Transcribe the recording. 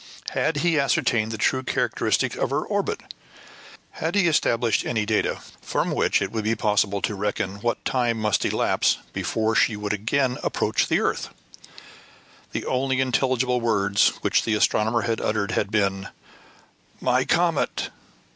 Had he ascertained the true character of her orbit? had he established any data from which it would be possible to reckon what time must elapse before she would again approach the earth? The only intelligible words which the astronomer had uttered had been, "My comet!"